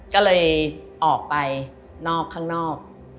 ก็เลยออกไปนอกข้างนอก